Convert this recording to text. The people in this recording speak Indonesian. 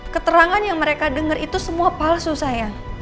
keterangan yang mereka denger itu semua palsu sayang